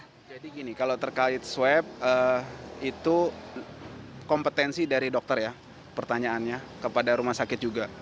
jadi gini kalau terkait swab itu kompetensi dari dokter ya pertanyaannya kepada rumah sakit juga